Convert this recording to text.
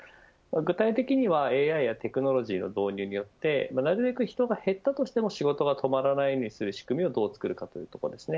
具体的にはＡＩやテクノロジーの導入によってなるべく人が減ったとしても仕事が止まらないようにする仕組みをどう作るかというところです。